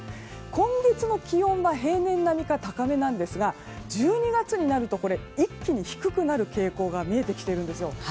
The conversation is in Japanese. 今月の気温は平年並みか高めですが１２月になると、一気に低くなる傾向が見えてきているんですよ。